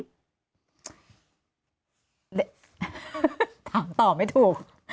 สิ้นตอบถามตอบไม่ถูก